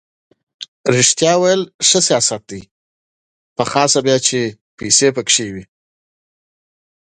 ریښتیا ویل ښه سیاست دی په تېره بیا چې پیسې پکې وي.